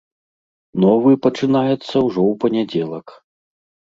Новы пачынаецца ўжо ў панядзелак.